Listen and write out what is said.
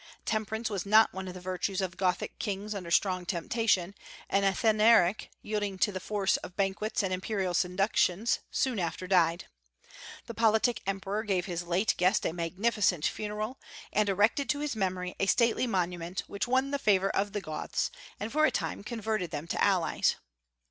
Temperance was not one of the virtues of Gothic kings under strong temptation, and Athanaric, yielding to the force of banquets and imperial seductions, soon after died. The politic emperor gave his late guest a magnificent funeral, and erected to his memory a stately monument; which won the favor of the Goths, and for a time converted them to allies.